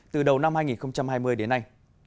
từ đầu năm hai nghìn hai mươi đến nay